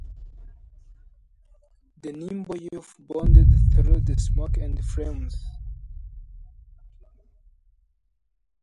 The nimble youth bounded through the smoke and flames.